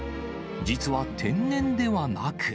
実は天然ではなく。